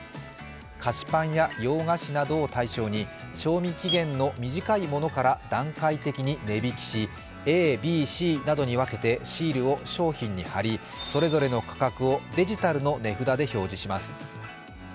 菓子パンや洋菓子などを対象に賞味期限の短いものから段階的に値引きしＡＢＣなどに分けてシールを商品に貼り、それぞれの価格をデジタルの値札で表示します。